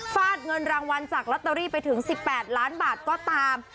ฟาดเงินรางวัลจากลอตเตอรี่ไปถึง๑๘ล้านบาทก็ตาม